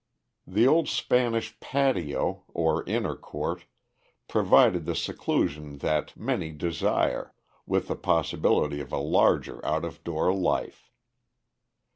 The old Spanish patio, or inner court, provided the seclusion that many desire, with the possibility of a larger out of door life.